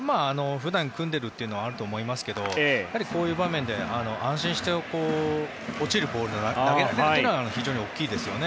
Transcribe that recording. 普段組んでいるというのもあると思いますけどやはり、こういう場面で安心して落ちるボールを投げられるのは大きいですね。